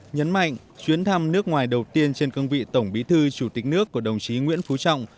nhấn mạnh chuyến thăm nước ngoài đầu tiên trên cương vị tổng bí thư chủ tịch nước của đồng chí nguyễn phú trọng